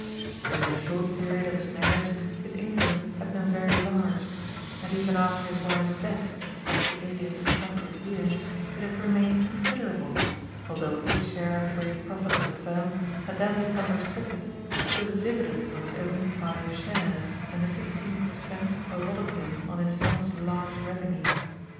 During the short period of his marriage his in come had been very large, and even after his wife's death, up to Elias's twentieth year, it had remained considerable, although his share of the great profits of the firm had then become restricted to the dividends on his own five shares and the fifteen per cent allotted him on his son's large revenue.